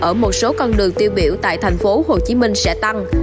ở một số con đường tiêu biểu tại thành phố hồ chí minh sẽ tăng